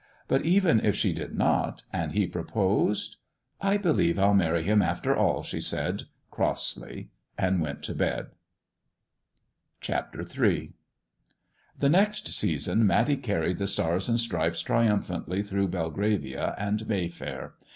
But even if she did not, and he proposed? — "I believe Til marry him after all," she said, crossly, and went to bed. CHAPTER III THE next season Matty carried the Stars and Stripes triumphantly through Belgravia and Mayfair.